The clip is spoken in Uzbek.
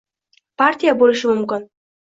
partiya bo‘lishi mumkin.